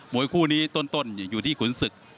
วยคู่นี้ต้นอยู่ที่ขุนศึก